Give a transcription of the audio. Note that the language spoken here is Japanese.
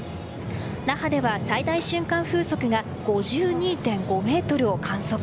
那覇では最大瞬間風速が５２．５メートルを観測。